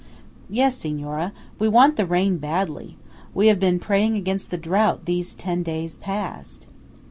"Yes, Signora. We want the rain badly. We have been praying against the drought these ten days past."